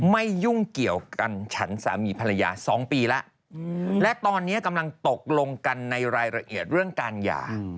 ไม่ยุ่งเกี่ยวกันฉันสามีภรรยา๒ปีแล้วและตอนนี้กำลังตกลงกันในรายละเอียดเรื่องการหย่า